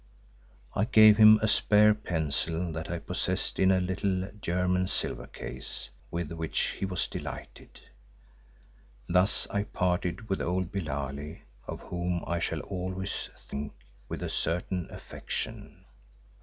I gave him a spare pencil that I possessed in a little German silver case, with which he was delighted. Thus I parted with old Billali, of whom I shall always think with a certain affection.